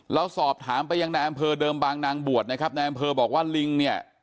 เราสอบถามไปยังนายอำเภอเดิมบางนางบวชนะครับนายอำเภอบอกว่าลิงเนี่ย